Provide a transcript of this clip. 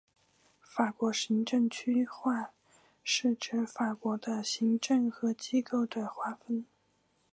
法国行政区划是指法国的行政和机构的划分。